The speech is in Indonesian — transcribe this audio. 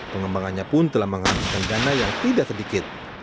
pengangannya pun telah mengangkatkan dana yang tidak sedikit